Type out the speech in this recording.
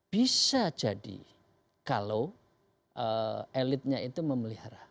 bisa jadi kalau elitnya itu memelihara